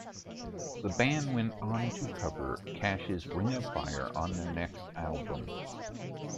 The band went on to cover Cash's "Ring of Fire" on their next album.